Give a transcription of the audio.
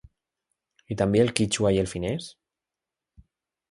I també el quítxua i el finès?